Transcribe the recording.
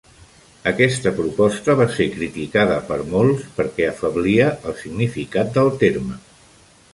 Aquesta proposta va ser criticada per molts perquè afeblia el significat del terme.